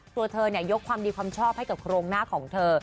ตัวเธอยกความดีความชอบให้กับโครงหน้าของเธอ